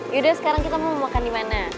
yaudah sekarang kita mau makan dimana